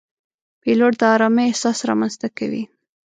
پیلوټ د آرامۍ احساس رامنځته کوي.